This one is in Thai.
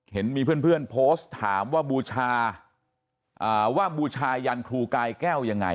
เห็นมีเพื่อนโพสต์ถามว่าบูชาว่าบูชายันครูกายแก้วยังไง